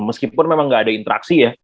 meskipun memang nggak ada interaksi ya